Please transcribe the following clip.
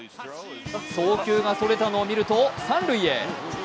送球がそれたのを見ると三塁へ。